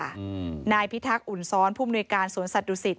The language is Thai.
อืมนายพิทักษ์อุ่นซ้อนผู้มนุยการสวนสัตวศิษ